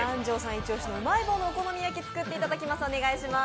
イチ押しのうまい棒のお好み焼きを作っていただきます。